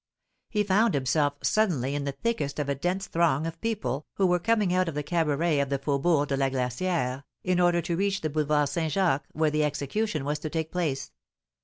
He found himself suddenly in the thickest of a dense throng of people, who were coming out of the cabarets of the Faubourg de la Glacière, in order to reach the Boulevard St. Jacques, where the execution was to take place.